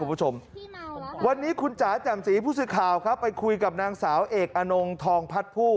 ไปคุยกับนางสาวเอกอานงทองพัดผู้